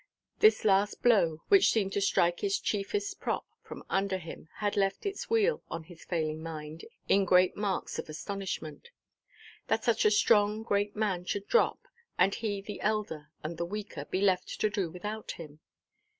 This last blow, which seemed to strike his chiefest prop from under him, had left its weal on his failing mind in great marks of astonishment. That such a strong, great man should drop, and he, the elder and the weaker, be left to do without him!